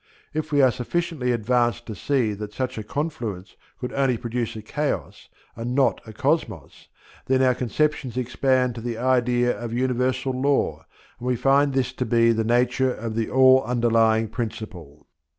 If we are sufficiently advanced to see that such a confluence could only produce a chaos, and not a cosmos, then our conceptions expand to the idea of universal Law, and we find this to be the nature of the all underlying principle.